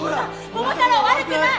桃太郎は悪くない！